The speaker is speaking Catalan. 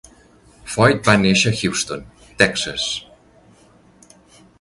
Foyt va néixer a Houston, Texas.